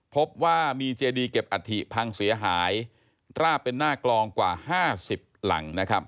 พบว่ามีเจดีเก็บอัฐิพังเสียหายราบเป็นหน้ากลองกว่า๕๐หลังนะครับ